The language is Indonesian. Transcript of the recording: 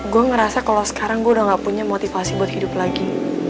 gue ngerasa kalau sekarang gue udah gak punya motivasi buat hidup lagi